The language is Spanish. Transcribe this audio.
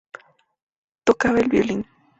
Tocaba el violín.